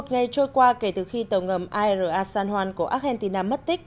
một mươi một ngày trôi qua kể từ khi tàu ngầm ira san juan của argentina mất tích